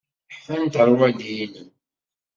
Ḥfant rrwaḍi-inem.